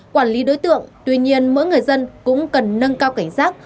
quản lý đối tượng tuy nhiên mỗi người dân cũng cần nâng cao cảnh giác